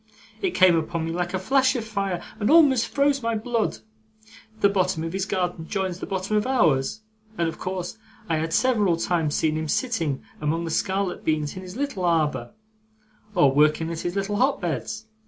It came upon me like a flash of fire, and almost froze my blood. The bottom of his garden joins the bottom of ours, and of course I had several times seen him sitting among the scarlet beans in his little arbour, or working at his little hot beds.